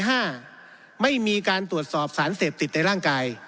หลับสารเสพติดในร่างกาย